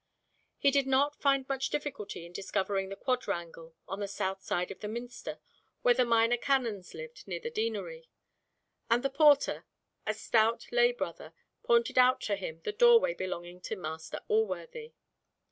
He did not find much difficulty in discovering the quadrangle on the south side of the minster where the minor canons lived near the deanery; and the porter, a stout lay brother, pointed out to him the doorway belonging to Master Alworthy.